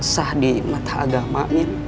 sah di mata agama